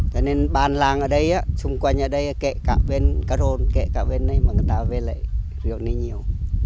cho nên bàn làng ở đây chung quanh ở đây kệ cả bên caron kệ cả bên đây người ta về lấy rượu này nhiều